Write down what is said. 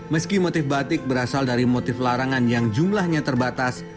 meski motif batik berasal dari motif larangan yang jumlahnya terbatas